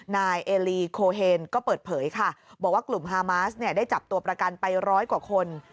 นายเอลีโคเฮนก็เปิดเผยค่ะบอกว่ากลุ่มฮามาสเนี่ยได้จับตัวประกันไปร้อยกว่าคน